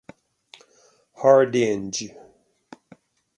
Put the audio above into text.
Hardinge.